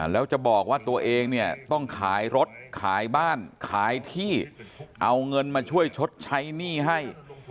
แล้วจะบอกว่าตัวเองเนี่ยต้องขายรถขายบ้านขายที่เอาเงินมาช่วยชดใช้หนี้ให้